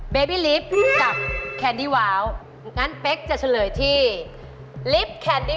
โปรดติดตามตอนต่อไป